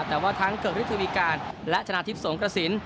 แต่ว่าทั้งเกิกฤทธวีการและชนะทิพย์สงกระสิน